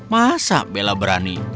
masa bella berani